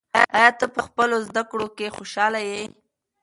آیا ته په خپلو زده کړو کې خوشحاله یې؟